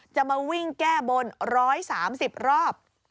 จะมาวิ่งแก้บน๑๓๐รอบ